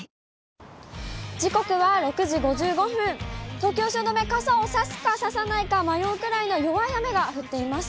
東京・汐留、傘を差すか差さないか迷うぐらいの弱い雨が降っています。